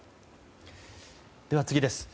では、次です。